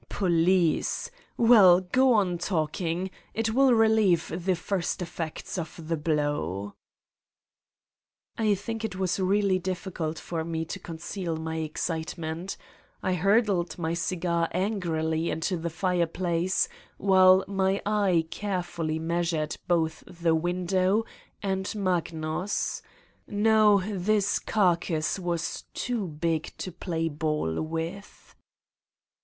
Police! Well, go on talking. It will relieve the first effects of the blow. '' I think it was really difficult for me to conceal 216 Satan's Diary my excitement. I hurled my cigar angrily into the fireplace, while my eye carefully measured both the window and Magnus ... no, this car cass was too big to play ball with.